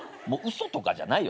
嘘とかじゃないよ。